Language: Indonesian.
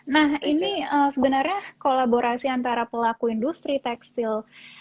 nah ini sebenarnya kolaborasi antara pelaku industri tekstil